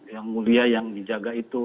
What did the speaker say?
yang mulia yang dijaga itu